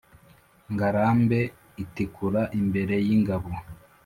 ngarambe itikura imbere y' ingabo